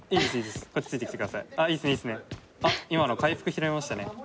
今の回復拾いましたね。